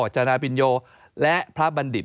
จนาปินโยและพระบัณฑิต